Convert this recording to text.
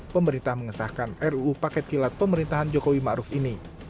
pemerintah mengesahkan ruu paket kilat pemerintahan jokowi ma'ruf ini